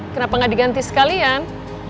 kenapa gak diganti sekalian